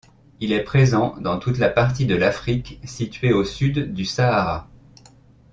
Il est présent dans toute la partie de l'Afrique située au sud du Sahara.